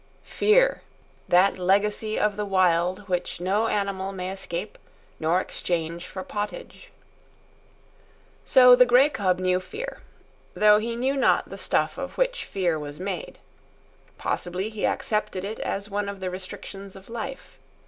Fear!—that legacy of the Wild which no animal may escape nor exchange for pottage. So the grey cub knew fear, though he knew not the stuff of which fear was made. Possibly he accepted it as one of the restrictions of life.